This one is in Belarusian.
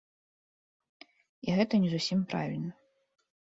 І гэта не зусім правільна.